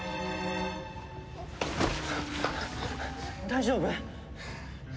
大丈夫！？